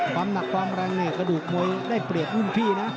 ความหนักความแรงเนี่ยกระดูกมวยได้เปรียบรุ่นพี่นะ